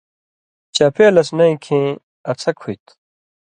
چپے لس نَیں کھیں اڅھک ہُوئ تھُو۔